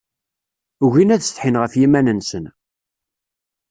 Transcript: Ugin ad setḥin ɣef yiman-nsen.